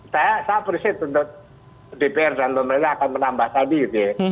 saya appreciate untuk dpr dan pemerintah akan menambah tadi gitu ya